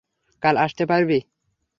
কাল আসতে পারবি?